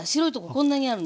こんなにあるの。